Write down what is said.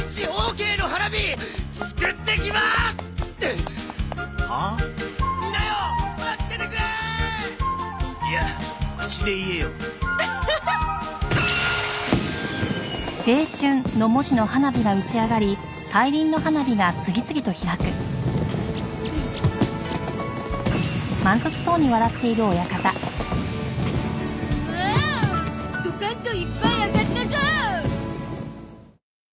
ドカンといっぱい上がったゾ！